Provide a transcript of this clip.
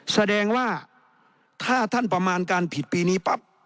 แสดงว่าถ้าท่านประมาณการผิดปีนี้ปั๊บ